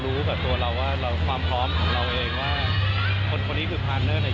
รู้ออกแล้วว่ามันคือคนนี้